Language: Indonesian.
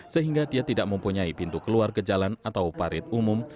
sehingga dia tidak mempunyai pintu keluar ke jalan atau parit umum